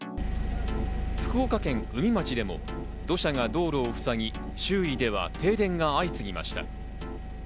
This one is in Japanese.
福岡県宇美町でも土砂が道路をふさぎ周囲では停電が相次ぎました。